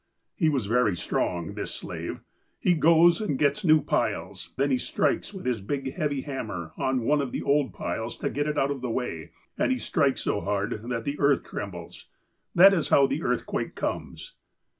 He was very strong, — this slave. He goes and gets new piles ; then he strikes with his big, heavy hammer on one of the old piles, to get it out of the way, and he strikes so hard that the earth trembles. That is how the earthquake comes."